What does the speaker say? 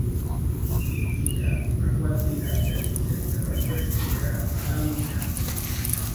Indica la quantitat de fitxes taronges que ja es van eliminar.